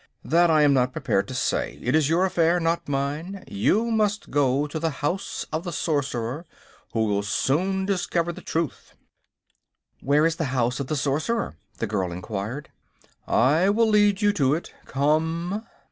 "That I am not prepared to say. It is your affair, not mine. You must go to the House of the Sorcerer, who will soon discover the truth." "Where is the House of the Sorcerer?" the girl enquired. "I will lead you to it. Come!"